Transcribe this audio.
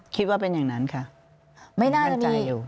คิดว่าเป็นอย่างนั้นค่ะไม่น่ามั่นใจอยู่